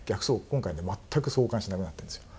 今回全く相関しなくなってるんですよ。